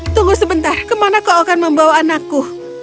tunggu sebentar kemana kau akan membawa anakku